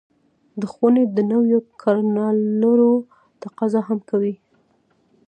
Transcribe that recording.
د ښوونې د نويو کړنلارو تقاضا هم کوي.